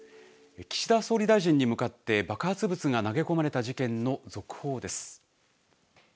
岸田総理大臣に向かって爆発物が投げ込まれた事件の続報です。